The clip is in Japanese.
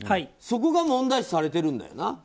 そこが問題視されてるんだよな。